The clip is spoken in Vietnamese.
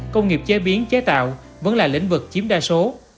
công nghiệp chế biến chế tạo vẫn là lĩnh vực chiếm đa số